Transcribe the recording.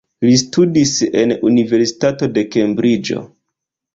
Li studis en Universitato de Kembriĝo.